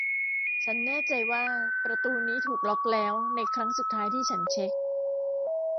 ฉันแน่ใจว่าประตูนี้ถูกล็อคแล้วในครั้งสุดท้ายที่ฉันเช็ค